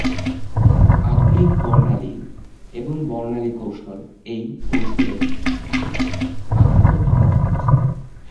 আধুনিক বর্ণালী এবং বর্ণালী কৌশল এই কৌশলে আধিপত্য লাভ করেছে।